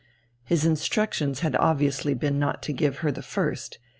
His instructions had obviously been not to give her the first.